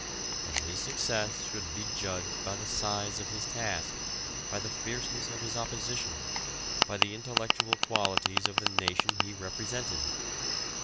But his success should be judged by the size of his task, by the fierceness of the opposition, by the intellectual qualities of the nation he represented.